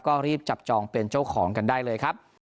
ก็รีบจับจองเป็นเจ้าของกันได้เลยครับ